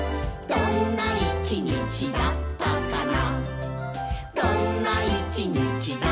「どんな一日だったかな」